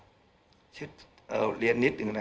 ทุกอย่างก็เป็นไปตามทั้งตอนการให้ความเห็นทางคดีของเขา